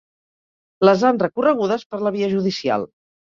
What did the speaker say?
Les han recorregudes per la via judicial.